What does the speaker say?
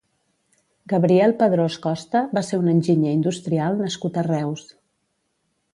Gabriel Padrós Costa va ser un enginyer industrial nascut a Reus.